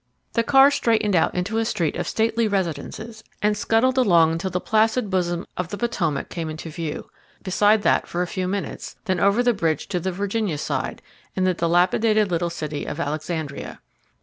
The car straightened out into a street of stately residences and scuttled along until the placid bosom of the Potomac came into view; beside that for a few minutes, then over the bridge to the Virginia side, in the dilapidated little city of Alexandria.